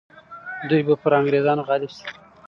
دوی به پر انګریزانو غالب سي.